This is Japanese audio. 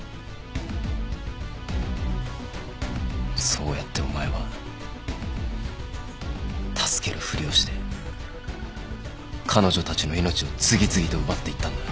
そうやってお前は助けるふりをして彼女たちの命を次々と奪っていったんだ。